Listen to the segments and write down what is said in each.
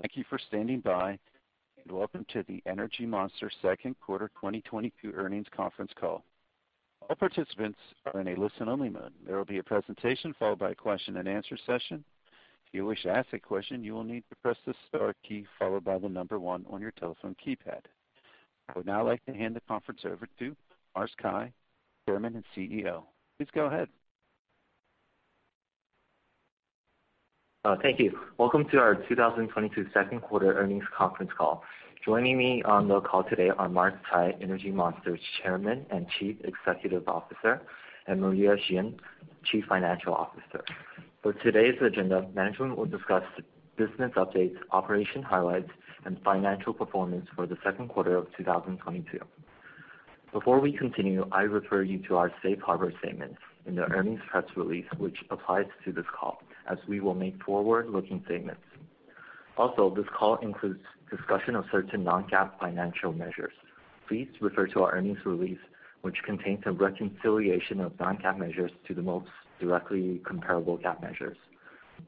Thank you for standing by, and welcome to the Energy Monster Second Quarter 2022 Earnings Conference Call. All participants are in a listen-only mode. There will be a presentation followed by a question-and-answer session. If you wish to ask a question, you will need to press the star key followed by the number one on your telephone keypad. I would now like to hand the conference over to Mars Cai, Chairman and CEO. Please go ahead. Thank you. Welcome to our 2022 second quarter earnings conference call. Joining me on the call today are Mars Cai, Energy Monster's Chairman and Chief Executive Officer, and Maria Yi Xin, Chief Financial Officer. For today's agenda, management will discuss business updates, operational highlights, and financial performance for the second quarter of 2022. Before we continue, I refer you to our safe harbor statements in the earnings press release, which applies to this call, as we will make forward-looking statements. Also, this call includes discussion of certain non-GAAP financial measures. Please refer to our earnings release, which contains a reconciliation of non-GAAP measures to the most directly comparable GAAP measures.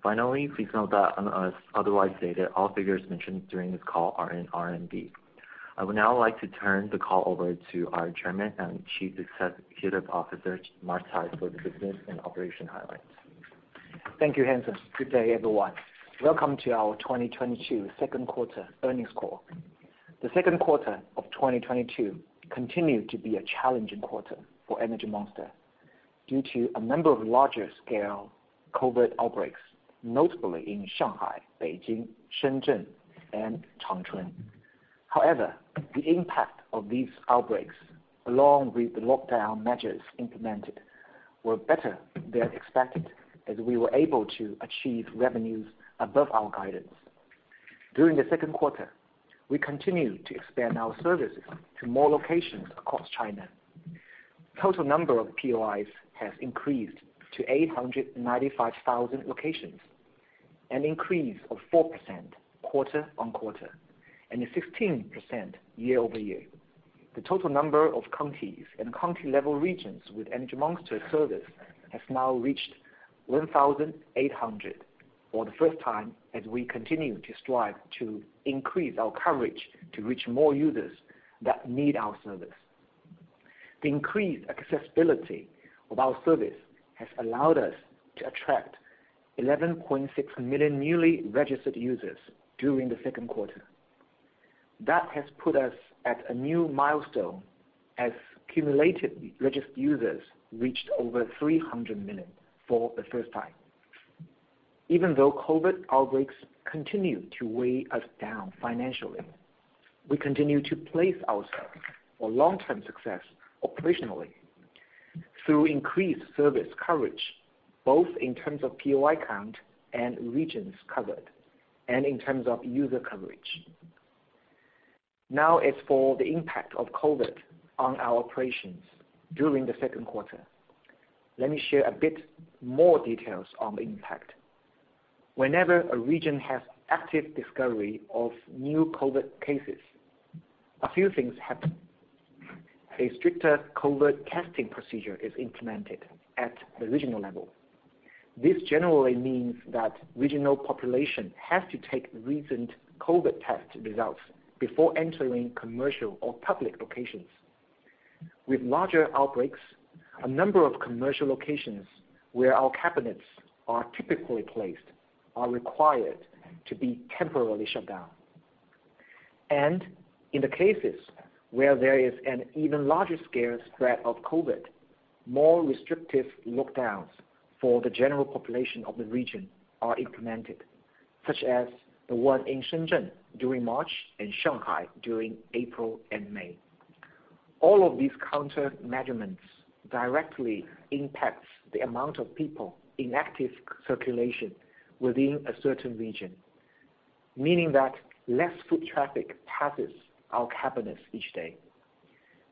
Finally, please note that unless otherwise stated, all figures mentioned during this call are in RMB. I would now like to turn the call over to our Chairman and Chief Executive Officer, Mars Cai, for the business and operation highlights. Thank you, Hansen. Good day, everyone. Welcome to our 2022 second quarter earnings call. The second quarter of 2022 continued to be a challenging quarter for Energy Monster due to a number of larger scale COVID outbreaks, notably in Shanghai, Beijing, Shenzhen, and Changchun. However, the impact of these outbreaks, along with the lockdown measures implemented, were better than expected as we were able to achieve revenues above our guidance. During the second quarter, we continued to expand our services to more locations across China. Total number of POIs has increased to 895,000 locations, an increase of 4% quarter-over-quarter and 16% year-over-year. The total number of counties and county-level regions with Energy Monster service has now reached 1,800 for the first time as we continue to strive to increase our coverage to reach more users that need our service. The increased accessibility of our service has allowed us to attract 11.6 million newly registered users during the second quarter. That has put us at a new milestone as accumulated registered users reached over 300 million for the first time. Even though COVID outbreaks continue to weigh us down financially, we continue to place ourselves for long-term success operationally through increased service coverage, both in terms of POI count and regions covered, and in terms of user coverage. Now as for the impact of COVID on our operations during the second quarter, let me share a bit more details on the impact. Whenever a region has active discovery of new COVID cases, a few things happen. A stricter COVID testing procedure is implemented at the regional level. This generally means that regional population has to take recent COVID test results before entering commercial or public locations. With larger outbreaks, a number of commercial locations where our cabinets are typically placed are required to be temporarily shut down. In the cases where there is an even larger scale threat of COVID, more restrictive lockdowns for the general population of the region are implemented, such as the one in Shenzhen during March and Shanghai during April and May. All of these countermeasures directly impacts the amount of people in active circulation within a certain region, meaning that less foot traffic passes our cabinets each day.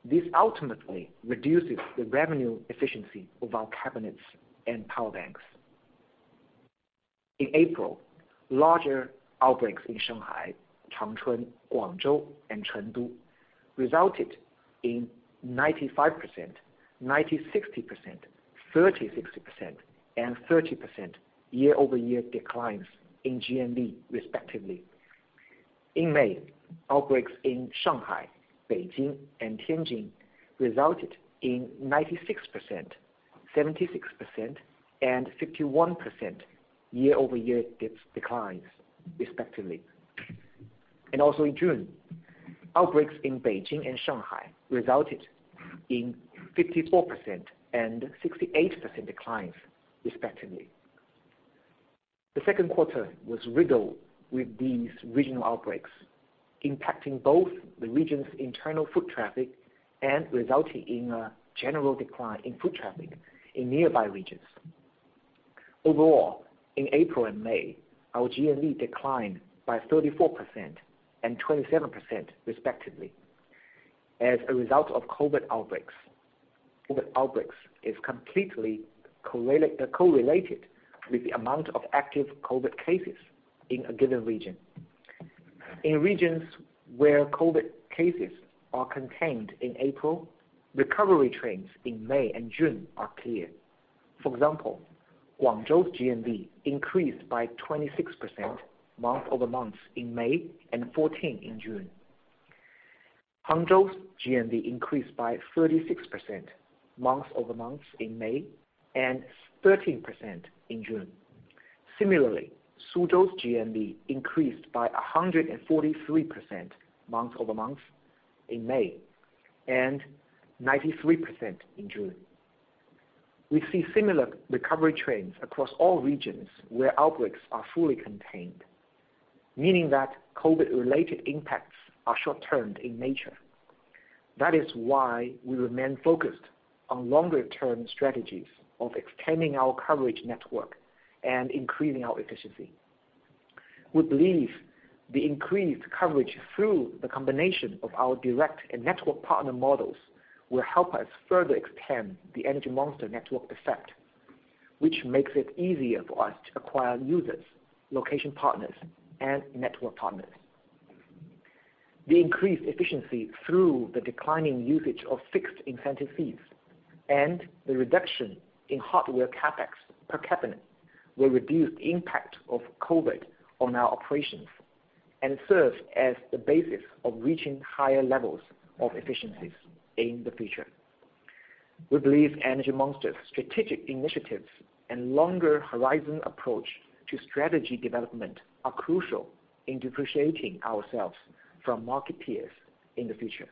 This ultimately reduces the revenue efficiency of our cabinets and power banks. In April, larger outbreaks in Shanghai, Changchun, Guangzhou, and Chengdu resulted in 95%, 96%, 36%, and 30% year-over-year declines in GMV respectively. In May, outbreaks in Shanghai, Beijing, and Tianjin resulted in 96%, 76%, and 51% year-over-year declines respectively. Also in June, outbreaks in Beijing and Shanghai resulted in 54% and 68% declines respectively. The second quarter was riddled with these regional outbreaks, impacting both the region's internal foot traffic and resulting in a general decline in foot traffic in nearby regions. Overall, in April and May, our GMV declined by 34% and 27% respectively as a result of COVID outbreaks. COVID outbreaks is completely correlated with the amount of active COVID cases in a given region. In regions where COVID cases are contained in April, recovery trends in May and June are clear. For example, Guangzhou's GMV increased by 26% month-over-month in May and 14% in June. Hangzhou's GMV increased by 36% month-over-month in May and 13% in June. Similarly, Suzhou's GMV increased by 143% month-over-month in May and 93% in June. We see similar recovery trends across all regions where outbreaks are fully contained, meaning that COVID-related impacts are short-term in nature. That is why we remain focused on longer-term strategies of extending our coverage network and increasing our efficiency. We believe the increased coverage through the combination of our direct and network partner models will help us further expand the Energy Monster network effect, which makes it easier for us to acquire users, location partners, and network partners. The increased efficincy through the declining usage of fixed incentive fees and the reduction in hardware CapEx per cabinet will reduce the impact of COVID on our operations and serve as the basis of reaching higher levels of efficiencies in the future. We believe Energy Monster's strategic initiatives and longer horizon approach to strategy development are crucial in differentiating ourselves from market peers in the future,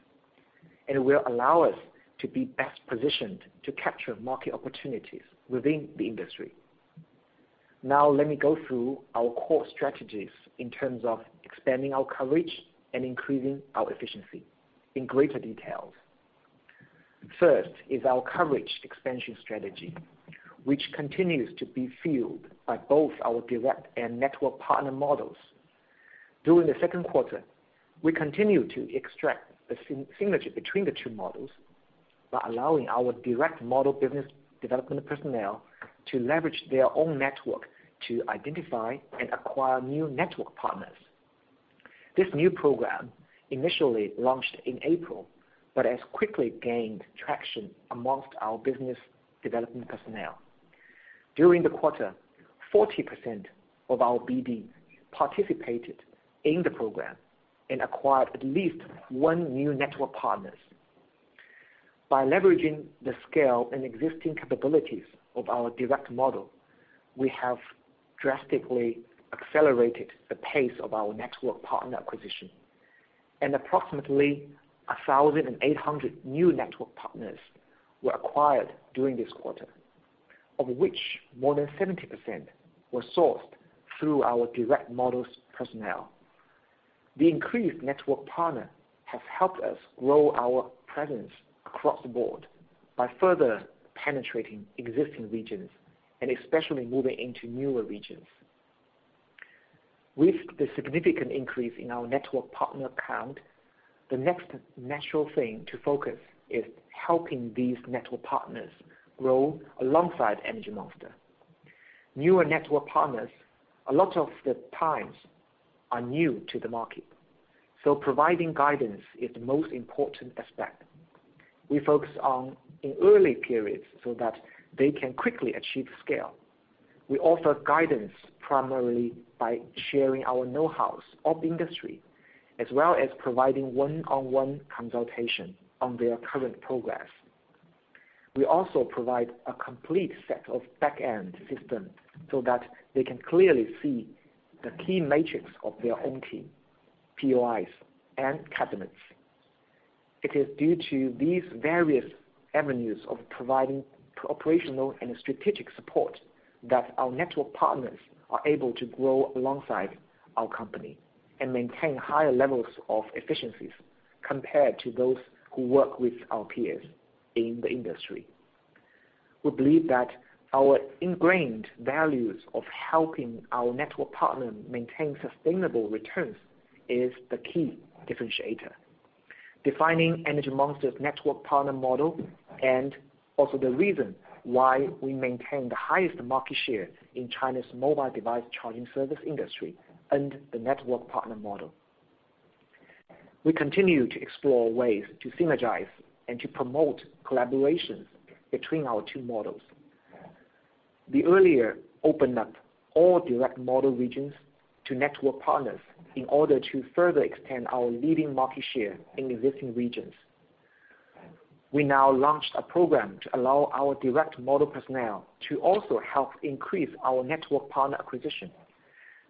and will allow us to be best positioned to capture market opportunities within the industry. Now let me go through our core strategies in terms of expanding our coverage and increasing our efficiency in greater details. First is our coverage expansion strategy, which continues to be fueled by both our direct and network partner models. During the second quarter, we continued to extract the synergy between the two models by allowing our direct model business development personnel to leverage their own network to identify and acquire new network partners. This new program initially launched in April, but has quickly gained traction among our business development personnel. During the quarter, 40% of our BD participated in the program and acquired at least one new network partners. By leveraging the scale and existing capabilities of our direct model, we have drastically accelerated the pace of our network partner acquisition. Approximately 1,800 new network partners were acquired during this quarter, of which more than 70% were sourced through our direct models personnel. The increased network partner has helped us grow our presence across the board by further penetrating existing regions and especially moving into newer regions. With the significant increase in our network partner count, the next natural thing to focus is helping these network partners grow alongside Energy Monster. Newer network partners, a lot of the times, are new to the market, so providing guidance is the most important aspect. We focus on in early periods so that they can quickly achieve scale. We offer guidance primarily by sharing our know-hows of industry, as well as providing one-on-one consultation on their current progress. We also provide a complete set of back-end system so that they can clearly see the key metrics of their own team, POIs, and cabinets. It is due to these various avenues of providing operational and strategic support that our network partners are able to grow alongside our company and maintain higher levels of efficiencies compared to those who work with our peers in the industry. We believe that our ingrained values of helping our network partner maintain sustainable returns is the key differentiator, defining Energy Monster's network partner model and also the reason why we maintain the highest market share in China's mobile device charging service industry and the network partner model. We continue to explore ways to synergize and to promote collaborations between our two models. We earlier opened up all direct model regions to network partners in order to further extend our leading market share in existing regions. We now launched a program to allow our direct model personnel to also help increase our network partner acquisition.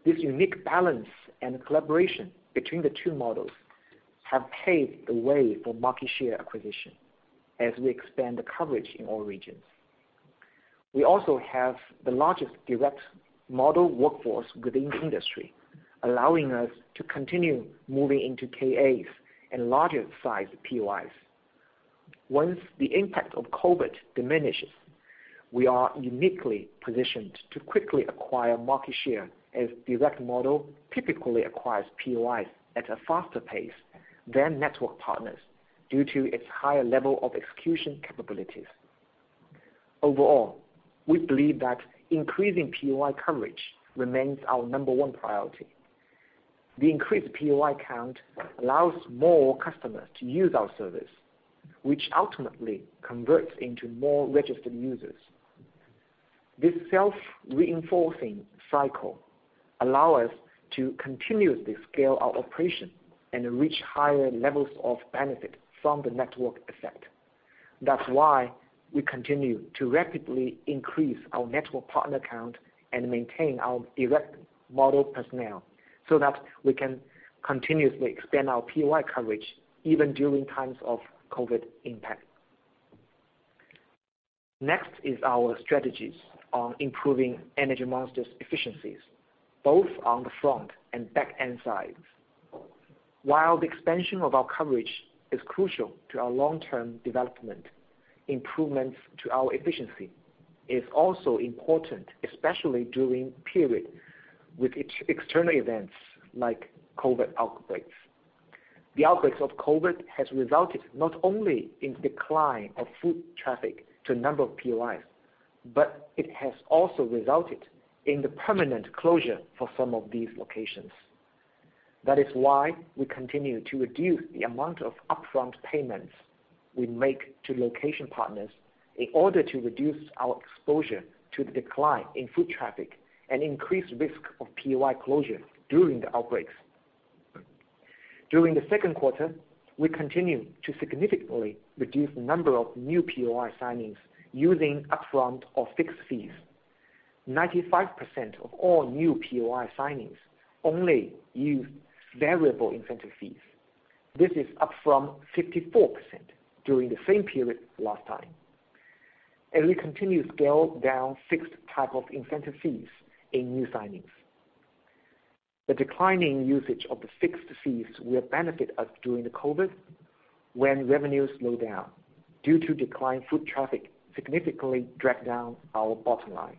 This unique balance and collaboration between the two models have paved the way for market share acquisition as we expand the coverage in all regions. We also have the largest direct model workforce within the industry, allowing us to continue moving into KAs and larger size POIs. Once the impact of COVID diminishes, we are uniquely positioned to quickly acquire market share as direct model typically acquires POIs at a faster pace than network partners due to its higher level of execution capabilities. Overall, we believe that increasing POI coverage remains our number one priority. The increased POI count allows more customers to use our service, which ultimately converts into more registered users. This self-reinforcing cycle allow us to continuously scale our operation and reach higher levels of benefit from the network effect. That's why we continue to rapidly increase our network partner count and maintain our direct model personnel so that we can continuously expand our POI coverage even during times of COVID impact. Next is our strategies on improving Energy Monster's efficiencies, both on the front and back-end sides. While the expansion of our coverage is crucial to our long-term development, improvements to our efficiency is also important, especially during period with external events like COVID outbreaks. The outbreaks of COVID has resulted not only in decline of foot traffic to a number of POIs, but it has also resulted in the permanent closure for some of these locations. That is why we continue to reduce the amount of upfront payments we make to location partners in order to reduce our exposure to the decline in foot traffic and increased risk of POI closure during the outbreaks. During the second quarter, we continue to significantly reduce the number of new POI signings using upfront or fixed fees. 95% of all new POI signings only use variable incentive fees. This is up from 54% during the same period last time, and we continue to scale down fixed type of incentive fees in new signings. The declining usage of the fixed fees will benefit us during the COVID when revenues slow down due to declined foot traffic significantly drag down our bottom line.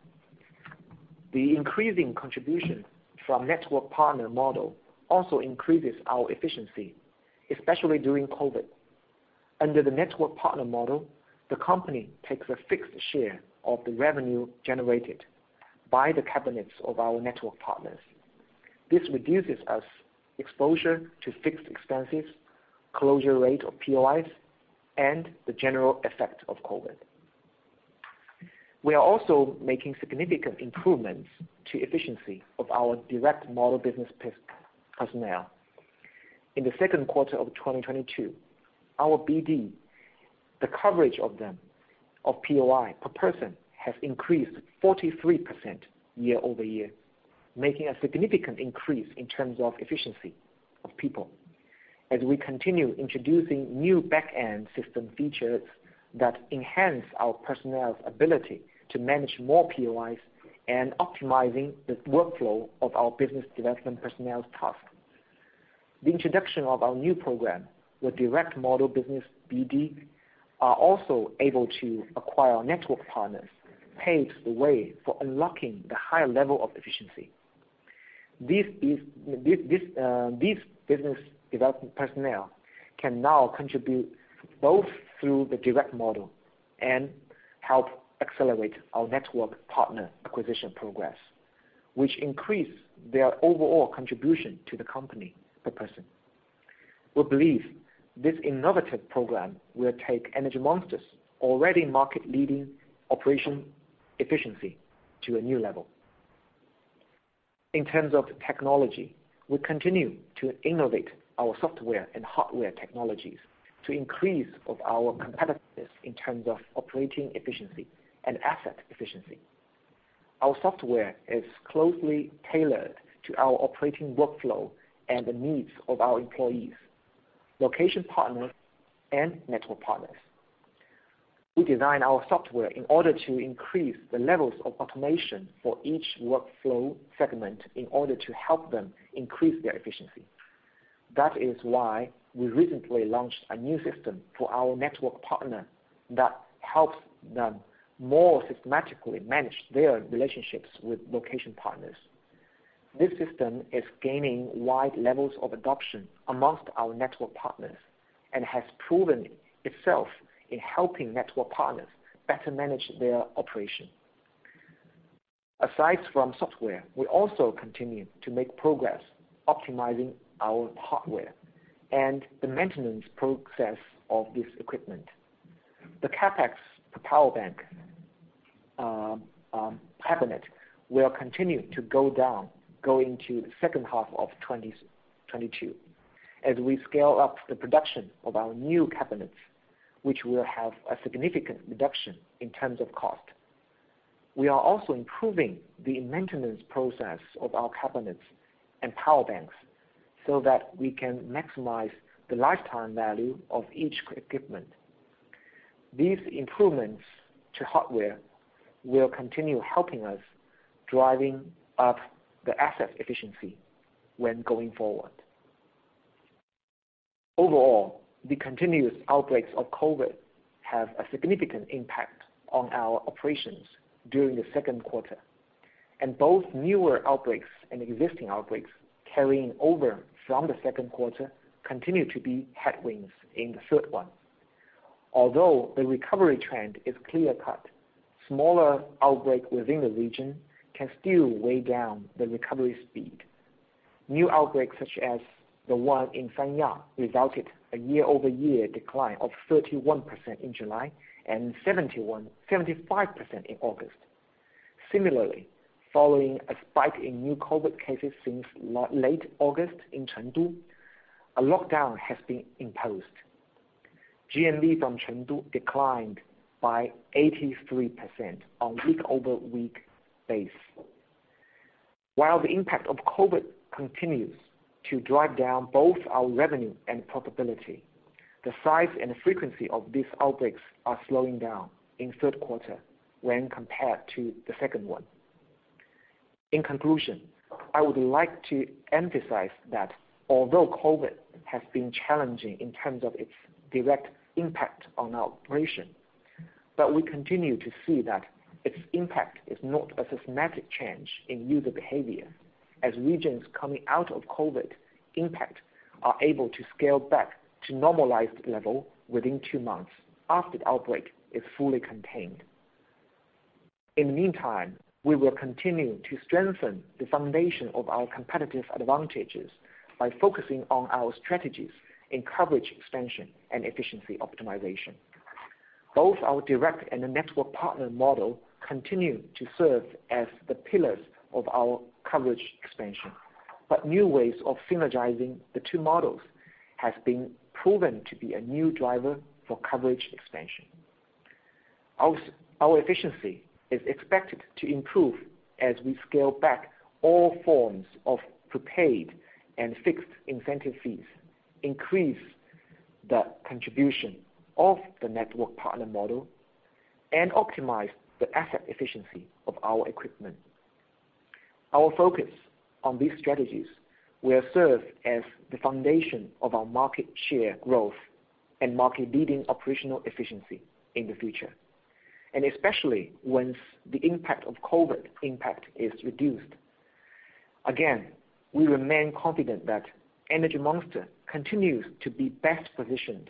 The increasing contribution from network partner model also increases our efficiency, especially during COVID. Under the network partner model, the company takes a fixed share of the revenue generated by the cabinets of our network partners. This reduces our exposure to fixed expenses, closure rate of POIs, and the general effect of COVID. We are also making significant improvements to efficiency of our direct model business personnel. In the second quarter of 2022, our BD, the coverage of the number of POI per person has increased 43% year-over-year, making a significant increase in terms of efficiency of people as we continue introducing new back-end system features that enhance our personnel's ability to manage more POIs and optimizing the workflow of our business development personnel's tasks. The introduction of our new program with direct model business BD are also able to acquire our network partners paves the way for unlocking the higher level of efficiency. These business development personnel can now contribute both through the direct model and help accelerate our network partner acquisition progress, which increase their overall contribution to the company per person. We believe this innovative program will take Energy Monster's already market-leading operation efficiency to a new level. In terms of technology, we continue to innovate our software and hardware technologies to increase our competitiveness in terms of operating efficiency and asset efficiency. Our software is closely tailored to our operating workflow and the needs of our employees, location partners, and network partners. We design our software in order to increase the levels of automation for each workflow segment in order to help them increase their efficiency. That is why we recently launched a new system for our network partner that helps them more systematically manage their relationships with location partners. This system is gaining wide levels of adoption among our network partners and has proven itself in helping network partners better manage their operation. Aside from software, we also continue to make progress optimizing our hardware and the maintenance process of this equipment. The CapEx to power bank cabinet will continue to go down going into the second half of 2022 as we scale up the production of our new cabinets, which will have a significant reduction in terms of cost. We are also improving the maintenance process of our cabinets and power banks so that we can maximize the lifetime value of each equipment. These improvements to hardware will continue helping us driving up the asset efficiency when going forward. Overall, the continuous outbreaks of COVID have a significant impact on our operations during the second quarter. Both newer outbreaks and existing outbreaks carrying over from the second quarter continue to be headwinds in the third one. Although the recovery trend is clear-cut, smaller outbreak within the region can still weigh down the recovery speed. New outbreaks such as the one in Sanya resulted in a year-over-year decline of 31% in July and 75% in August. Similarly, following a spike in new COVID cases since late August in Chengdu, a lockdown has been imposed. GMV from Chengdu declined by 83% on a week-over-week basis. While the impact of COVID continues to drive down both our revenue and profitability, the size and frequency of these outbreaks are slowing down in third quarter when compared to the second one. In conclusion, I would like to emphasize that although COVID has been challenging in terms of its direct impact on our operation, we continue to see that its impact is not a systematic change in user behavior, as regions coming out of COVID impact are able to scale back to normalized level within two months after the outbreak is fully contained. In the meantime, we will continue to strengthen the foundation of our competitive advantages by focusing on our strategies in coverage expansion and efficiency optimization. Both our direct and the network partner model continue to serve as the pillars of our coverage expansion, but new ways of synergizing the two models has been proven to be a new driver for coverage expansion. Our efficiency is expected to improve as we scale back all forms of prepaid and fixed incentive fees, increase the contribution of the network partner model, and optimize the asset efficiency of our equipment. Our focus on these strategies will serve as the foundation of our market share growth and market-leading operational efficiency in the future, and especially once the impact of COVID is reduced. Again, we remain confident that Energy Monster continues to be best positioned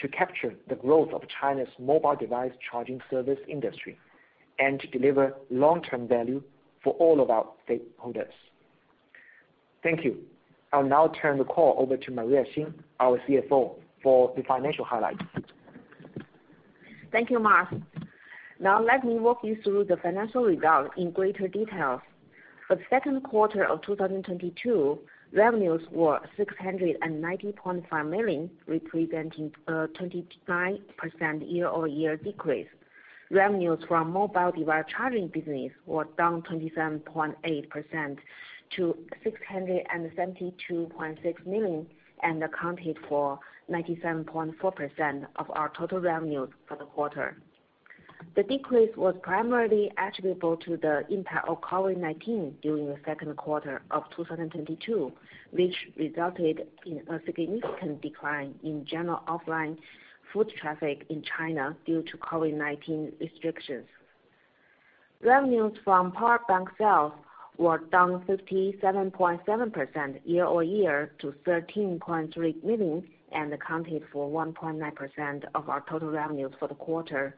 to capture the growth of China's mobile device charging service industry and to deliver long-term value for all of our stakeholders. Thank you. I'll now turn the call over to Maria Yi Xin, our CFO, for the financial highlights. Thank you, Mars. Now let me walk you through the financial results in greater detail. For the second quarter of 2022, revenues were 690.5 million, representing a 29% year-over-year decrease. Revenues from mobile device charging business were down 27.8% to 672.6 million, and accounted for 97.4% of our total revenues for the quarter. The decrease was primarily attributable to the impact of COVID-19 during the second quarter of 2022, which resulted in a significant decline in general offline foot traffic in China due to COVID-19 restrictions. Revenues from power bank sales were down 57.7% year-over-year to 13.3 million, and accounted for 1.9% of our total revenues for the quarter.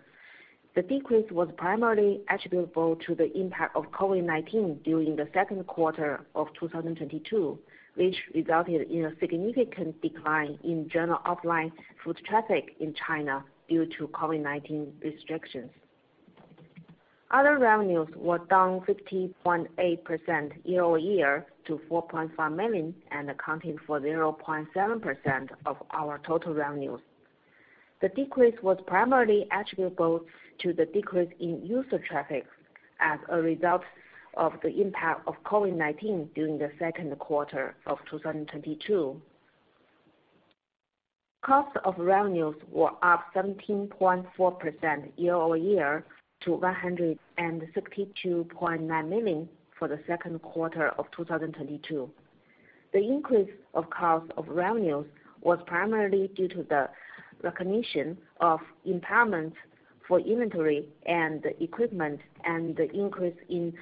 The decrease was primarily attributable to the impact of COVID-19 during the second quarter of 2022, which resulted in a significant decline in general offline foot traffic in China due to COVID-19 restrictions. Other revenues were down 15.8% year-over-year to 4.5 million, and accounted for 0.7% of our total revenues. The decrease was primarily attributable to the decrease in user traffic as a result of the impact of COVID-19 during the second quarter of 2022. Cost of revenues were up 17.4% year-over-year to 162.9 million for the second quarter of 2022. The increase of cost of revenues was primarily due to the recognition of impairment for inventory and equipment and the increase in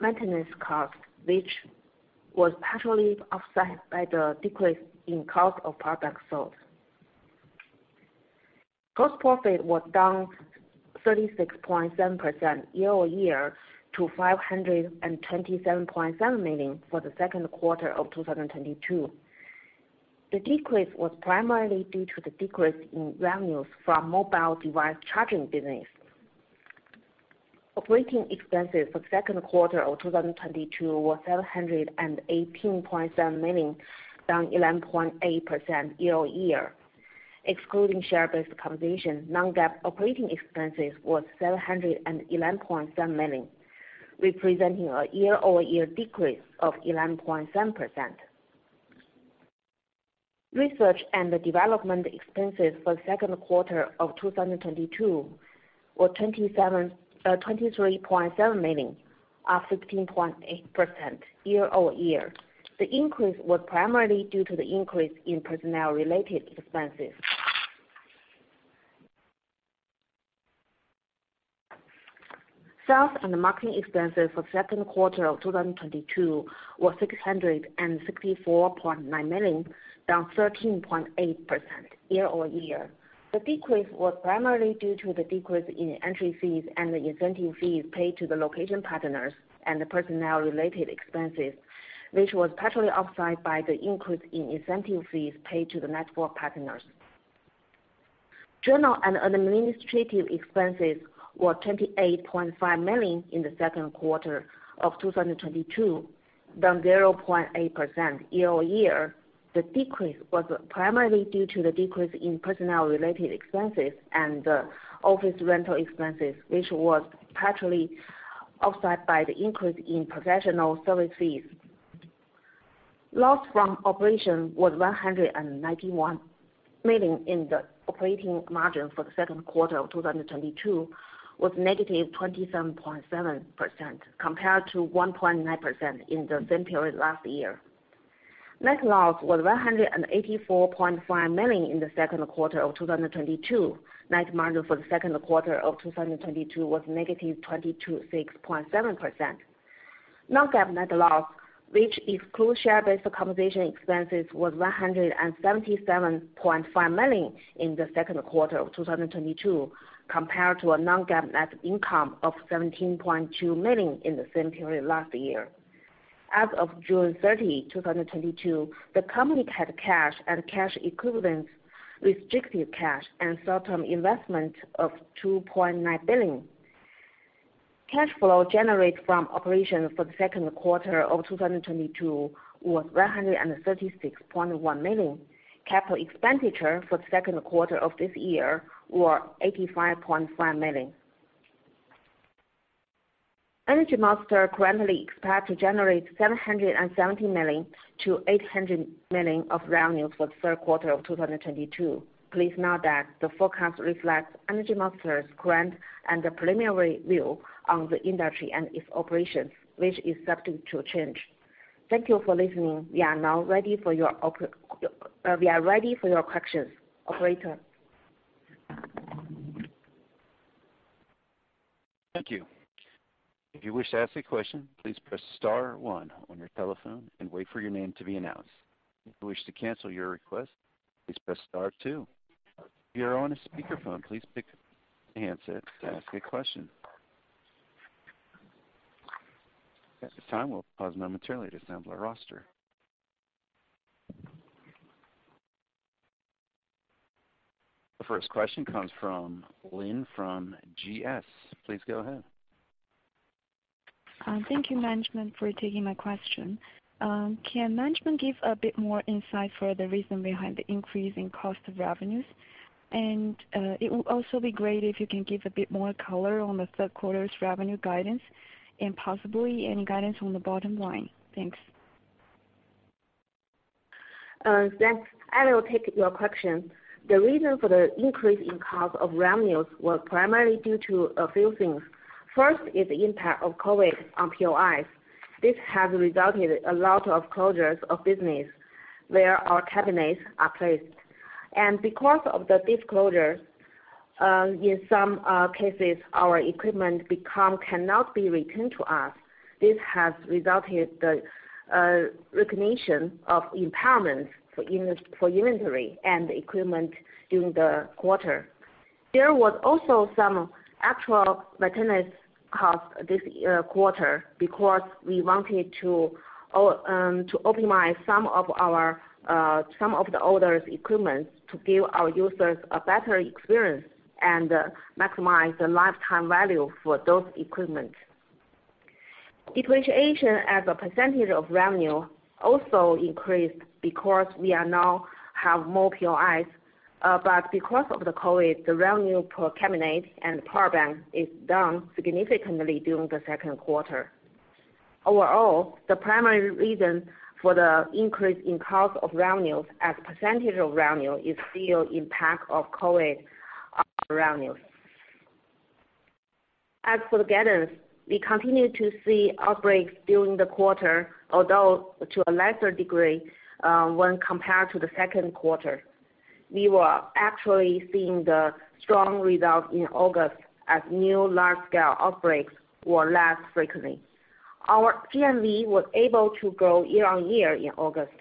maintenance cost, which was partially offset by the decrease in cost of product sold. Gross profit was down 36.7% year-over-year to 527.7 million for the second quarter of 2022. The decrease was primarily due to the decrease in revenues from mobile device charging business. Operating expenses for the second quarter of 2022 were 718.7 million, down 11.8% year-over-year. Excluding share-based compensation, non-GAAP operating expenses was 711.7 million, representing a year-over-year decrease of 11.7%. Research and development expenses for the second quarter of 2022 were RMB 23.7 million, up 16.8% year-over-year. The increase was primarily due to the increase in personnel-related expenses. Sales and marketing expenses for the second quarter of 2022 were 664.9 million, down 13.8% year-over-year. The decrease was primarily due to the decrease in entry fees and the incentive fees paid to the location partners and the personnel-related expenses, which was partially offset by the increase in incentive fees paid to the network partners. General and administrative expenses were 28.5 million in the second quarter of 2022, down 0.8% year-over-year. The decrease was primarily due to the decrease in personnel related expenses and office rental expenses, which was partially offset by the increase in professional service fees. Loss from operation was 191 million, and the operating margin for the second quarter of 2022 was -27.7% compared to 1.9% in the same period last year. Net loss was 184.5 million in the second quarter of 2022. Net margin for the second quarter of 2022 was -26.7%. Non-GAAP net loss, which excludes share-based compensation expenses, was 177.5 million in the second quarter of 2022, compared to a non-GAAP net income of 17.2 million in the same period last year. As of June 30, 2022, the company had cash and cash equivalents, restricted cash and short-term investment of 2.9 billion. Cash flow generated from operations for the second quarter of 2022 was 136.1 million. Capital expenditure for the second quarter of this year were 85.5 million. Energy Monster currently expect to generate 770 million-800 million of revenues for the third quarter of 2022. Please note that the forecast reflects Energy Monster's current and the preliminary view on the industry and its operations, which is subject to change. Thank you for listening. We are now ready for your questions. Operator? Thank you. If you wish to ask a question, please press star one on your telephone and wait for your name to be announced. If you wish to cancel your request, please press star two. If you're on a speakerphone, please pick handset to ask your question. At this time, we'll pause momentarily to assemble our roster. The first question comes from Lynn from GS. Please go ahead. Thank you, management, for taking my question. Can management give a bit more insight for the reason behind the increase in cost of revenues? It would also be great if you can give a bit more color on the third quarter's revenue guidance and possibly any guidance on the bottom line. Thanks. Yes, I will take your question. The reason for the increase in cost of revenues was primarily due to a few things. First is the impact of COVID on POIs. This has resulted in a lot of closures of businesses where our cabinets are placed. Because of these closures, in some cases our equipment cannot be returned to us. This has resulted in the recognition of impairment for inventory and equipment during the quarter. There was also some actual maintenance costs this quarter because we wanted to optimize some of the older equipment to give our users a better experience and maximize the lifetime value for those equipment. Depreciation as a percentage of revenue also increased because we now have more POIs. Because of the COVID, the revenue per cabinet and power bank is down significantly during the second quarter. Overall, the primary reason for the increase in cost of revenues as percentage of revenue is still impact of COVID on revenues. As for guidance, we continue to see outbreaks during the quarter, although to a lesser degree, when compared to the second quarter. We were actually seeing the strong results in August as new large-scale outbreaks were less frequently. Our GMV was able to grow year-on-year in August,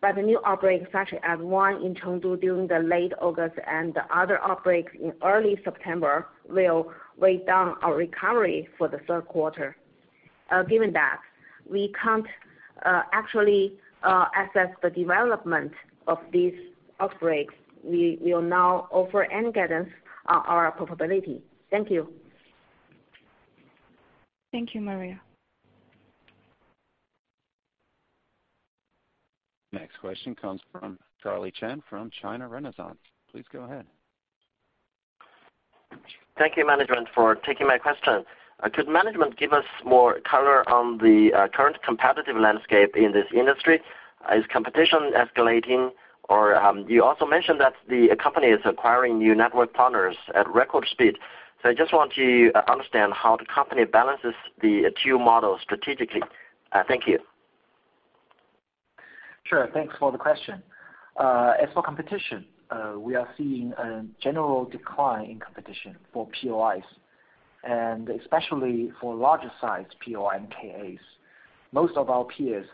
but the new outbreak such as one in Chengdu during the late August and the other outbreaks in early September will weigh down our recovery for the third quarter. Given that, we can't actually assess the development of these outbreaks. We will not offer any guidance on our profitability. Thank you. Thank you, Maria. Next question comes from Charlie Chen from China Renaissance. Please go ahead. Thank you, management, for taking my question. Could management give us more color on the current competitive landscape in this industry? Is competition escalating? You also mentioned that the company is acquiring new network partners at record speed. I just want to understand how the company balances the two models strategically. Thank you. Sure. Thanks for the question. As for competition, we are seeing a general decline in competition for POIs, and especially for larger size POI and KAs. Most of our peers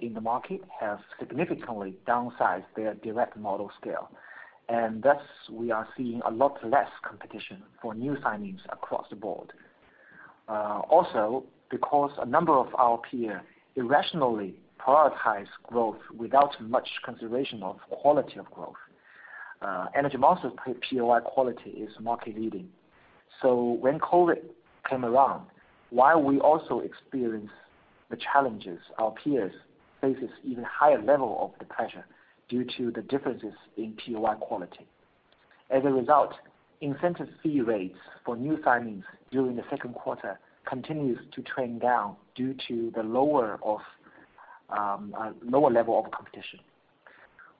in the market have significantly downsized their direct model scale, and thus we are seeing a lot less competition for new signings across the board. Also, because a number of our peer irrationally prioritize growth without much consideration of quality of growth, Energy Monster POI quality is market leading. So when COVID came along, while we also experienced the challenges, our peers faces even higher level of the pressure due to the differences in POI quality. As a result, incentive fee rates for new signings during the second quarter continues to trend down due to the lower level of competition.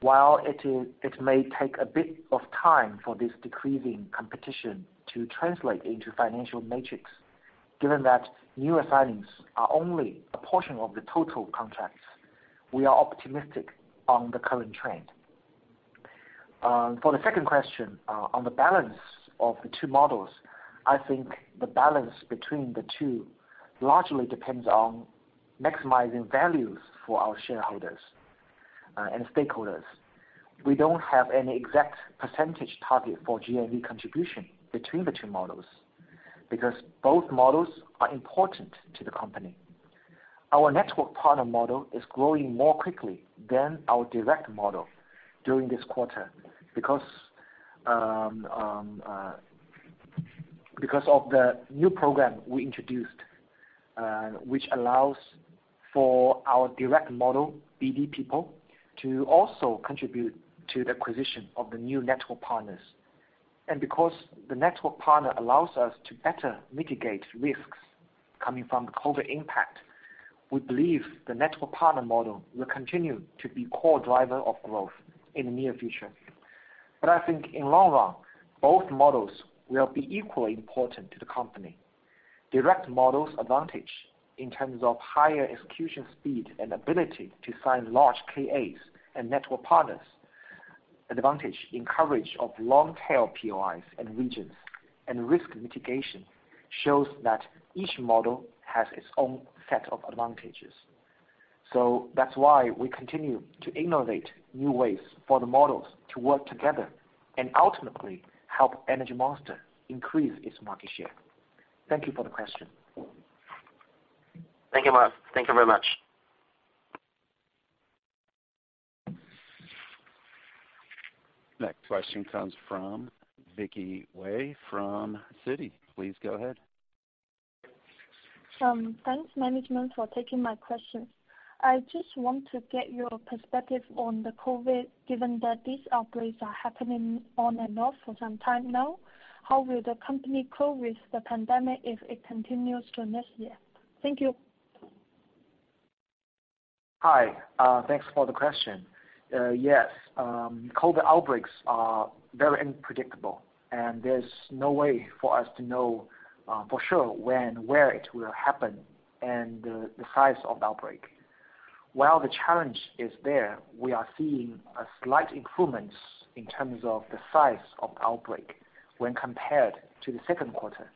While it is... It may take a bit of time for this decreasing competition to translate into financial metrics, given that new signings are only a portion of the total contracts. We are optimistic on the current trend. For the second question, on the balance of the two models, I think the balance between the two largely depends on maximizing values for our shareholders and stakeholders. We don't have an exact percentage target for GMV contribution between the two models, because both models are important to the company. Our network partner model is growing more quickly than our direct model during this quarter because of the new program we introduced, which allows for our direct model BD people to also contribute to the acquisition of the new network partners. Because the network partner allows us to better mitigate risks coming from the COVID impact, we believe the network partner model will continue to be core driver of growth in the near future. I think in long run, both models will be equally important to the company. Direct models advantage in terms of higher execution speed and ability to sign large KAs and network partners. Advantage in coverage of long tail POIs and regions and risk mitigation shows that each model has its own set of advantages. That's why we continue to innovate new ways for the models to work together and ultimately help Energy Monster increase its market share. Thank you for the question. Thank you very much. Next question comes from Vicky Wei from Citi. Please go ahead. Thanks management for taking my questions. I just want to get your perspective on the COVID, given that these outbreaks are happening on and off for some time now. How will the company cope with the pandemic if it continues to next year? Thank you. Hi, thanks for the question. Yes, COVID outbreaks are very unpredictable, and there's no way for us to know for sure when, where it will happen and the size of the outbreak. While the challenge is there, we are seeing a slight improvement in terms of the size of outbreak when compared to the second quarter.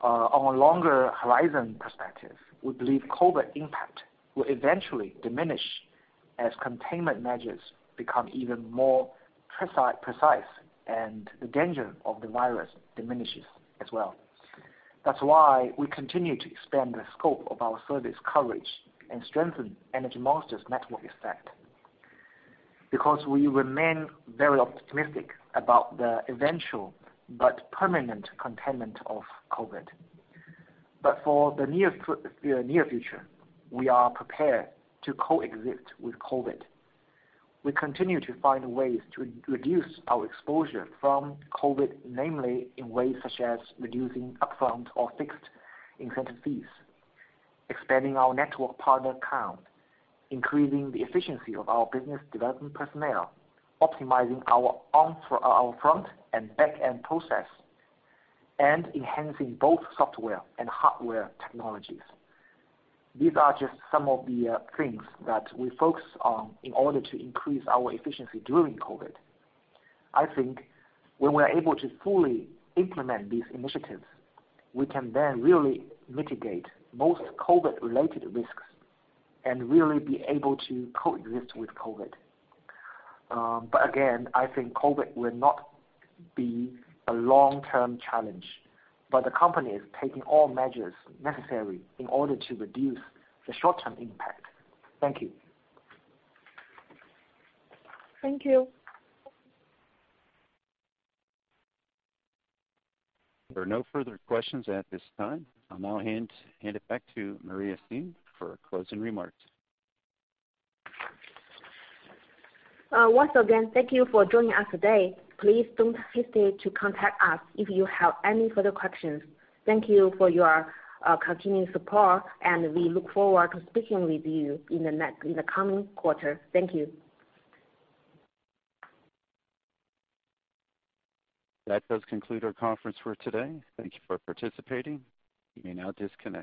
On a longer horizon perspective, we believe COVID impact will eventually diminish as containment measures become even more precise, and the danger of the virus diminishes as well. That's why we continue to expand the scope of our service coverage and strengthen Energy Monster's network effect. We remain very optimistic about the eventual but permanent containment of COVID. For the near future, we are prepared to coexist with COVID. We continue to find ways to reduce our exposure from COVID, namely in ways such as reducing upfront or fixed incentive fees, expanding our network partner count, increasing the efficiency of our business development personnel, optimizing our front and back end process, and enhancing both software and hardware technologies. These are just some of the things that we focus on in order to increase our efficiency during COVID. I think when we're able to fully implement these initiatives, we can then really mitigate most COVID-related risks and really be able to coexist with COVID. Again, I think COVID will not be a long-term challenge, but the company is taking all measures necessary in order to reduce the short-term impact. Thank you. Thank you. There are no further questions at this time. I'll now hand it back to Maria Yi Xin for closing remarks. Once again, thank you for joining us today. Please don't hesitate to contact us if you have any further questions. Thank you for your continued support, and we look forward to speaking with you in the coming quarter. Thank you. That does conclude our conference for today. Thank you for participating. You may now disconnect.